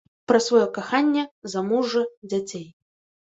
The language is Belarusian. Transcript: Пра сваё каханне, замужжа, дзяцей.